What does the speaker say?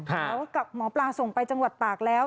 แต่ว่าหมอปลาส่งไปจังหวัดตากแล้ว